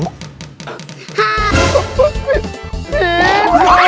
คุณหล